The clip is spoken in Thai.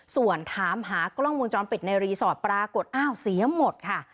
ส่วนถามหากล้องวงจรปิดในรีสอร์ทปรากฏอ้าวเสียหมดค่ะ